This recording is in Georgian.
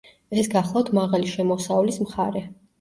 ეს გახლავთ მაღალი შემოსავლის მხარე.